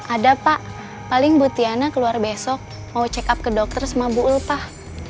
ada pak paling ibu tiana keluar besok mau check up ke dokter sama ibu ul pak